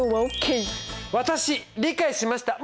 私理解しました！